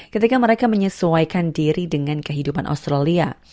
ketika mereka menyesuaikan diri dengan kehidupan australia